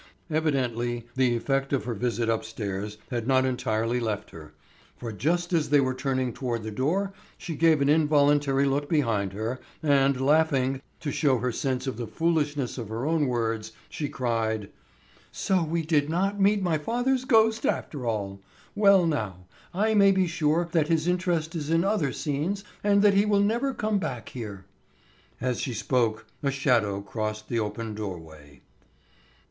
Evidently the effect of her visit upstairs had not entirely left her, for just as they were turning toward the door she gave an involuntary look behind her, and laughing, to show her sense of the foolishness of her own words, she cried: "So we did not meet my father's ghost after all. Well now, I may be sure that his interest is in other scenes and that he will never come back here." As she spoke a shadow crossed the open doorway.